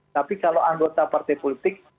tapi kalau anggota partai politik